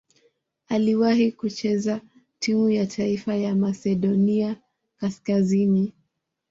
Aliwahi kucheza timu ya taifa ya Masedonia Kaskazini.